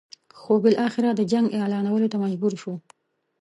خو بالاخره د جنګ اعلانولو ته مجبور شو.